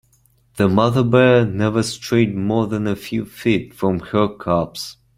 The mother bear never strayed more than a few feet from her cubs.